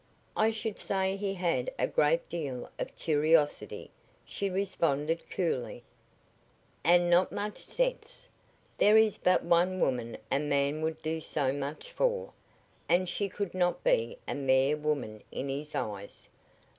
"I should say he had a great deal of curiosity," she responded, coolly. "And not much sense. There is but one woman a man would do so much for, and she could not be a mere woman in his eyes."